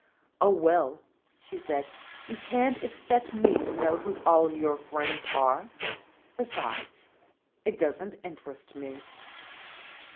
"Oh, well," she said, "you can't expect me to know who all your friends are; besides, it doesn't interest me."